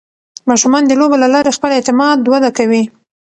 ماشومان د لوبو له لارې خپل اعتماد وده کوي.